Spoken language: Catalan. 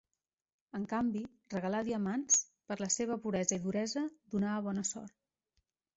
En canvi, regalar diamants, per la seva puresa i duresa, donava bona sort.